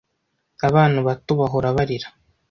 abana bato bahora barira